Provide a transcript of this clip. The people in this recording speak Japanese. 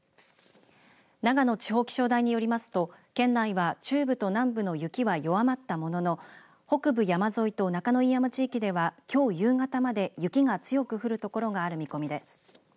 長野地方気象台によりますと県内は、中部と南部の雪は弱まったものの北部山沿いと中野飯山地域ではきょう夕方まで雪が強く降る所がある見込みです。